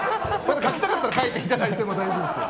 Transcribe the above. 書きたかったら書いていただいて大丈夫ですけど。